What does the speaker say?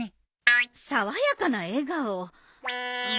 爽やかな笑顔。